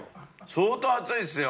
相当熱いですよ。